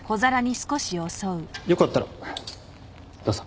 よかったらどうぞ。